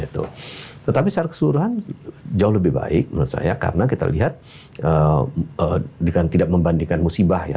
tetapi secara keseluruhan jauh lebih baik menurut saya karena kita lihat dengan tidak membandingkan musibah ya